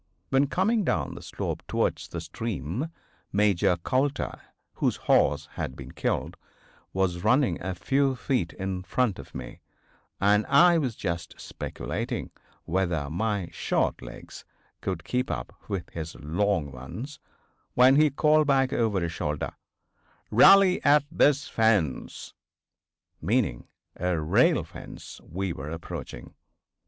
When coming down the slope towards the stream Major Coulter, whose horse had been killed, was running a few feet in front of me, and I was just speculating whether my short legs could keep up with his long ones, when he called back over his shoulder: "Rally at this fence," meaning a rail fence we were approaching.